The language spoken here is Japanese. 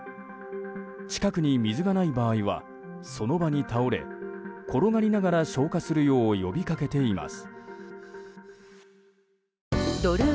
近くに水がない場合はその場に倒れ転がりながら消火するよう呼びかけています。